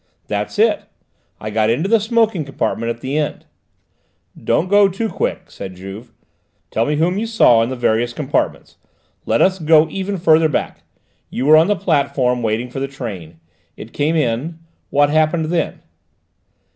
"That's it. I got into the smoking compartment at the end." "Don't go too quick," said Juve. "Tell me whom you saw in the various compartments. Let us go even farther back. You were on the platform, waiting for the train; it came in; what happened then?"